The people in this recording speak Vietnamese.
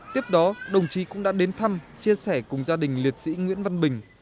tiếp đó đồng chí cũng đã đến thăm chia sẻ cùng gia đình liệt sĩ nguyễn văn bình